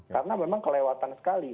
karena memang kelewatan sekali